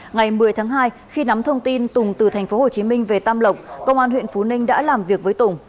ngày một mươi tháng hai khi nắm thông tin tùng từ tp hcm về tam lộc công an huyện phú ninh đã làm việc với tùng